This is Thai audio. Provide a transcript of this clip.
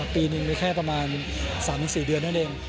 ปีนึงไม่แค่ประมาณ๓๔เดือนได้เอง